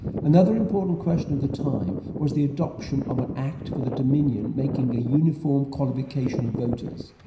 Another important question of the time was the adoption of an Act for the Dominion making a uniform qualification of voters.